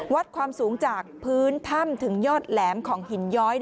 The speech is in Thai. วัดความสูงจากพื้นถ้ำถึงยอดแหลมของหินย้อย